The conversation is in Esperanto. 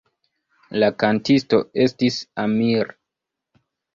La kantisto estis Amir.